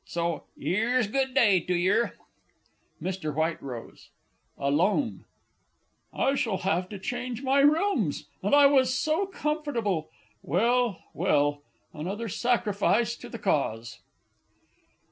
So 'ere's good day to yer. MR W. (alone). I shall have to change my rooms and I was so comfortable! Well, well, another sacrifice to the Cause!